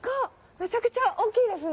めちゃくちゃ大っきいですね。